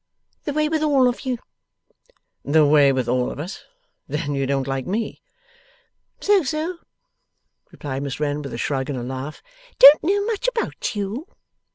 The way with all of you.' 'The way with all of us? Then you don't like ME?' 'So so,' replied Miss Wren, with a shrug and a laugh. 'Don't know much about you.